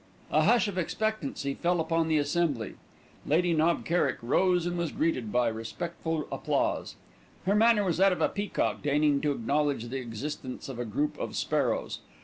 A hush of expectancy fell upon the assembly. Lady Knob Kerrick rose and was greeted by respectful applause. Her manner was that of a peacock deigning to acknowledge the existence of a group of sparrows.